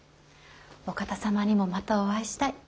お方様にもまたお会いしたい。